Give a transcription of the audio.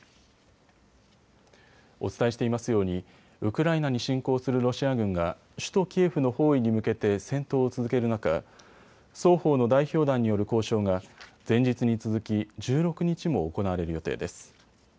お伝えしていますようにウクライナに侵攻するロシア軍が首都キエフの包囲に向けて戦闘を続ける中、双方の代表団による交渉が前日に続き、１６日も行われる予定です。